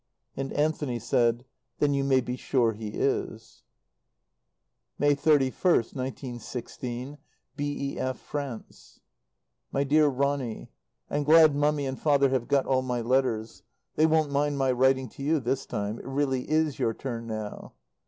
And Anthony said, "Then you may be sure he is." May 31st, 1916. B.E.F., FRANCE. MY DEAR RONNY, I'm glad Mummy and Father have got all my letters. They won't mind my writing to you this time. It really is your turn now.